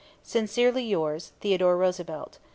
Sincerely yours, THEODORE ROOSEVELT.